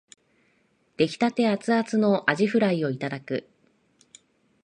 出来立てアツアツのあじフライをいただく